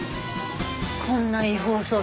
こんな違法捜査